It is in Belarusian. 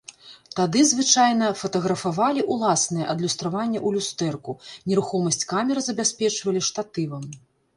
Тады, звычайна, фатаграфавалі ўласнае адлюстраванне ў люстэрку, нерухомасць камеры забяспечвалі штатывам.